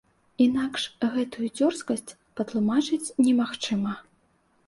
Інакш гэтую дзёрзкасць патлумачыць немагчыма.